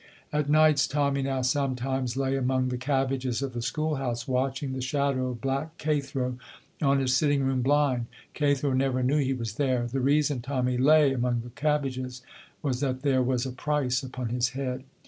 At nights Tommy now sometimes lay among the cabbages of the school house watching the shadow of Black Cathro on his sitting room blind. Cathro never knew he was there. The reason Tommy lay among the cabbages was that there was a price upon his head.